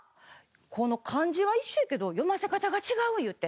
この漢字は一緒やけど読ませ方が違ういうて。